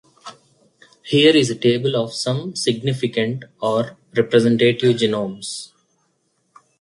Here is a table of some significant or representative genomes.